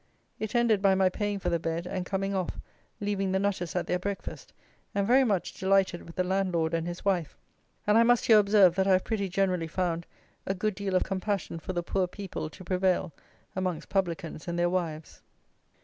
It ended by my paying for the bed, and coming off, leaving the nutters at their breakfast, and very much delighted with the landlord and his wife; and I must here observe that I have pretty generally found a good deal of compassion for the poor people to prevail amongst publicans and their wives.